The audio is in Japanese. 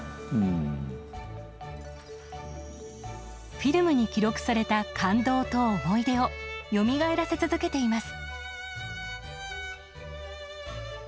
フィルムに記録された感動と思い出をよみがえらせ続けています。